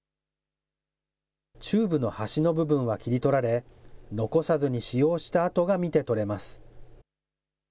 チューブの端の部分は切り取られ、残さずに使用した跡が見て取れます。